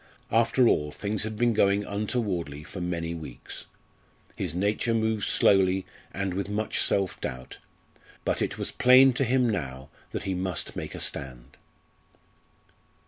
After all things had been going untowardly for many weeks. His nature moved slowly and with much self doubt, but it was plain to him now that he must make a stand.